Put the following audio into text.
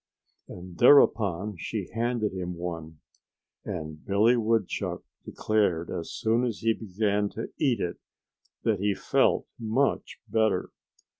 And thereupon she handed him one. And Billy Woodchuck declared as soon as he began to eat it that he felt much better.